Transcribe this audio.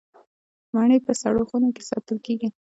مڼې په سړو خونو کې ساتل کیږي.